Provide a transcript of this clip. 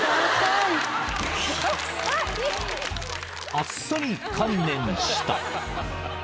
［あっさり観念した］